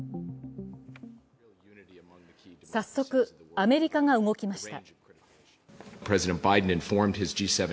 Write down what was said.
早速、アメリカが動きました。